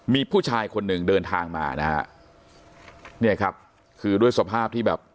มีผู้ชายคนหนึ่งเดินทางมานะฮะเนี่ยครับคือด้วยสภาพที่แบบ